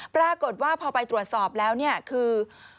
ปรากฏว่าพอไปตรวจสอบแล้วเนี่ยคือ